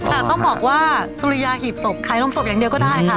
แต่ต้องบอกว่าสุริยาหีบศพขายโรงศพอย่างเดียวก็ได้ค่ะ